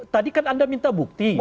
tadi kan anda minta bukti